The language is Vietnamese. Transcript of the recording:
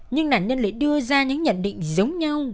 nhưng nạn nhân lại đưa ra những nhận định giống nhau